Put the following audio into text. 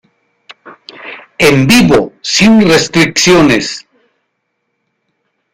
En vivo sin restricciones!